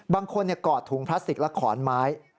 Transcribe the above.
บางคนเกาะถุงพลาสติกและขอนไม้